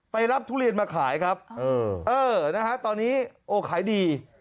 รับทุเรียนมาขายครับตอนนี้โอ้ขายดี